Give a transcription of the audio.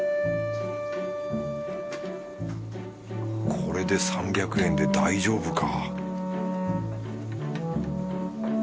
これで３００円で大丈夫か？